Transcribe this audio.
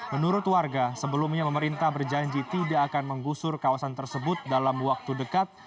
menurut warga sebelumnya pemerintah berjanji tidak akan menggusur kawasan tersebut dalam waktu dekat